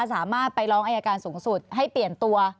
สามารถไปร้องอายการสูงสุดให้เปลี่ยนตัว